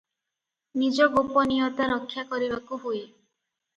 ନିଜ ଗୋପନୀୟତା ରକ୍ଷାକରିବାକୁ ହୁଏ ।